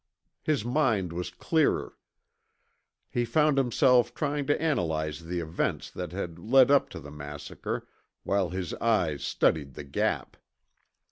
His mind was clearer. He found himself trying to analyze the events that had led up to the massacre, while his eyes studied the Gap.